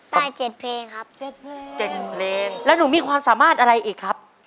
๗เพลงครับเจ็ดเพลงเจ็ดเพลงแล้วหนูมีความสามารถอะไรอีกครับ